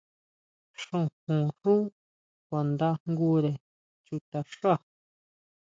Xojón xú kuandajngure chutaxá.